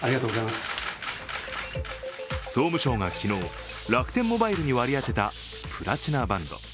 総務省が昨日、楽天モバイルに割り当てたプラチナバンド。